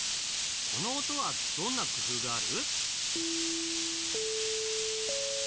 この音はどんな工夫がある？